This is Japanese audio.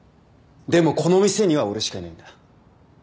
でもこの店には俺しかいないんだ。